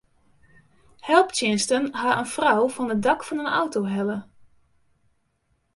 Helptsjinsten ha in frou fan it dak fan in auto helle.